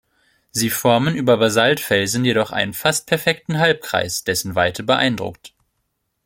Sie formen über Basaltfelsen jedoch einen fast perfekten Halbkreis, dessen Weite beeindruckt.